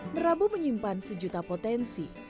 merabu menyimpan sejuta potensi